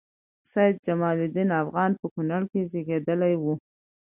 سيدجمال الدين افغان په کونړ کې زیږیدلی وه